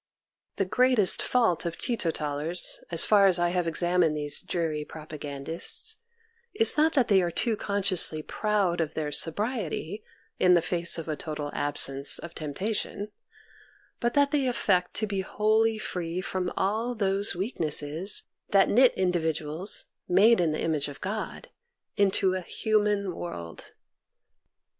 The greatest fault of tee totallers, so far as I have examined those dreary propagandists, is not that they are too consciously proud of their sobriety in face of a total absence of temptation, but that they affect to be wholly free from all those weaknesses that knit individuals, made in the image of God, into a human world.